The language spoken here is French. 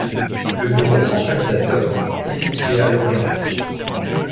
Le bureau centralisateur est situé à Lorient.